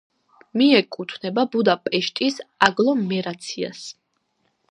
მიეკუთვნება ბუდაპეშტის აგლომერაციას.